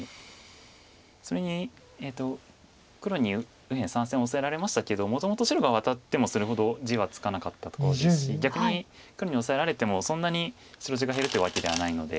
それに黒に右辺３線オサえられましたけどもともと白がワタってもそれほど地はつかなかったところですし逆に黒にオサえられてもそんなに白地が減るというわけではないので。